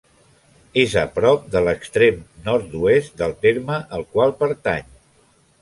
És a prop de l'extrem nord-oest del terme al qual pertany.